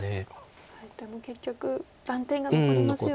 オサえても結局断点が残りますよね。